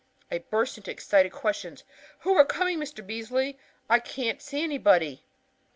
I burst into excited questions. 'Who are coming, Mr. Beasley? I can't see anybody.'